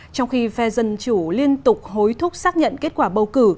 trong khi phe dân chủ liên tục hối thúc xác nhận kết quả bầu cử